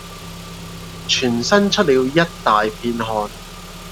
全身出了一大片汗。